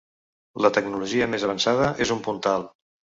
La tecnologia més avançada és un puntal.